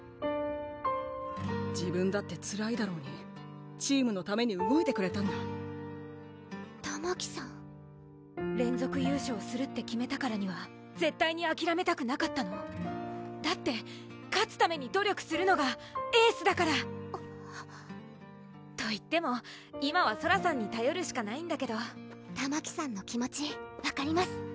自分だってつらいだろうにチームのために動いてくれたんだたまきさん連続優勝するって決めたからには絶対にあきらめたくなかったのだって勝つために努力するのがエースだから！といっても今はソラさんにたよるしかないんだけどたまきさんの気持ち分かります！